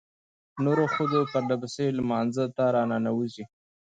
نرو ښځې پرلپسې لمانځه ته راننوځي.